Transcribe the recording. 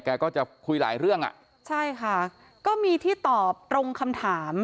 ก็จะคุยหลายเรื่องอ่ะใช่ค่ะก็มีที่ตอบตรงคำถาม